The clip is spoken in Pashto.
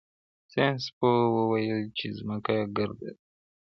ساینس پوه وویل چې ځمکه ګرده ده.